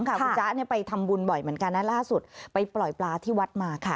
ห้ามูจ้าไปทำบุญบ่อยเหมือนกันไปปล่อยปลาที่วัดมา